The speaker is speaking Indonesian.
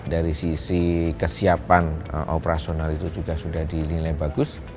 dari sisi kesiapan operasional itu juga sudah dinilai bagus